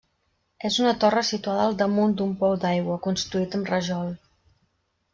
És una torre situada al damunt d'un pou d'aigua, construït amb rajol.